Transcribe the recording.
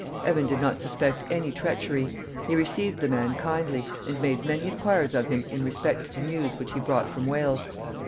Evan did not suspect any treachery. He received the man kindly, and made many inquiries of him in respect to the news which he brought from Wales.